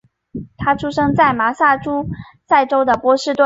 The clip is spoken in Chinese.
他出生在麻萨诸塞州的波士顿。